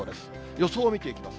予想を見ていきます。